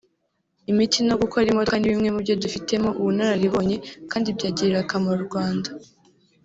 imiti no gukora imodoka ni bimwe mu byo dufitemo ubunararibonye kandi byagirira akamaro u Rwanda